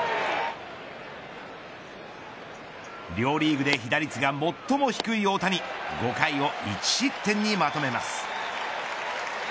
両リーグで被打率が最も低い大谷５回を１失点にまとめます。